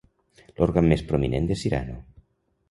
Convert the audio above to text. L'òrgan més prominent de Cyrano.